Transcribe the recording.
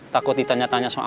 takut ditanya tanya soal